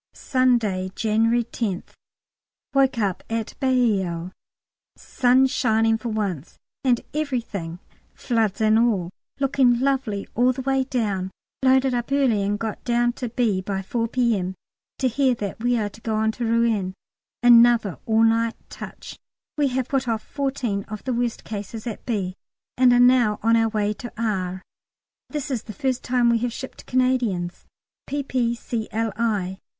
Sunday, January 10th. Woke up at Bailleul, sun shining for once, and everything floods and all looking lovely all the way down. Loaded up early and got down to B. by 4 P.M. to hear that we are to go on to Rouen another all night touch. We have put off the fourteen worst cases at B., and are now on our way to R. This is the first time we have shipped Canadians, P.P.C.L.I.